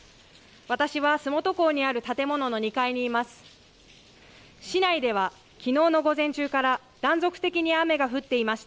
私は洲本港にある建物の２階にいます。